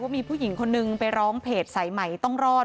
มีผู้หญิงคนนึงไปร้องเพจสายใหม่ต้องรอด